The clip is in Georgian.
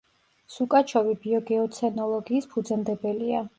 სუკაჩოვი ბიოგეოცენოლოგიის ფუძემდებელია.